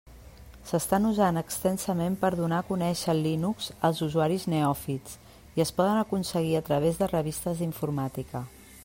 S'estan usant extensament per donar a conèixer el Linux als usuaris neòfits, i es poden aconseguir a través de revistes d'informàtica.